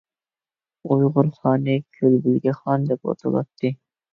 ئۇيغۇر خانى «كۆل بىلگە خان» دەپ ئاتىلاتتى.